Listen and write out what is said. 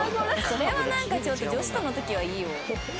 それはなんかちょっと女子との時はいいよ。